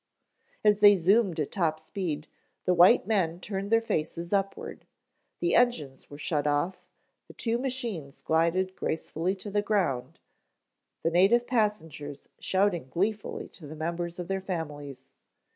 As they zoomed at top speed, the white men turned their faces upward. The engines were shut off, the two machines glided gracefully to the ground, the native passengers shouting gleefully to the members of their families.